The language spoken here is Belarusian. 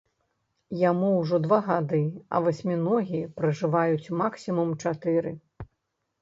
Яму ўжо два гады, а васьміногі пражываюць максімум чатыры.